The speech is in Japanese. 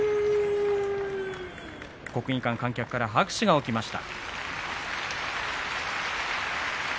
国技館観客から大きな拍手が起きました。